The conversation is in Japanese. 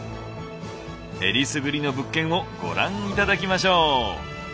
えりすぐりの物件をご覧頂きましょう。